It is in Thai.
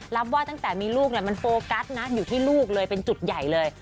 รับว่าตั้งแต่มีลูกมันโฟกัสนะอยู่ที่ลูกเลยเป็นจุดใหญ่เลย